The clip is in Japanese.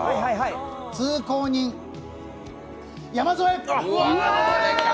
通行人、山添。